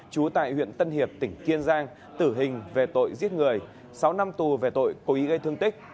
trú tại huyện tân hiệp tỉnh kiên giang tử hình về tội giết người sáu năm tù về tội cố ý gây thương tích